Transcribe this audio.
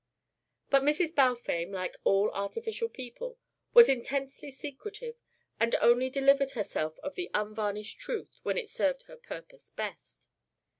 But Mrs. Balfame, like all artificial people, was intensely secretive, and only delivered herself of the unvarnished truth when it served her purpose best.